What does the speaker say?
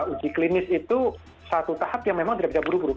uji klinis itu satu tahap yang memang tidak bisa buru buru